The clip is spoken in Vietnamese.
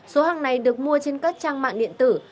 số hàng này được mua trên các trang mạng điện tử